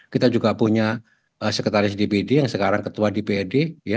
kita juga punya sekretaris dpd yang sekarang ketua dprd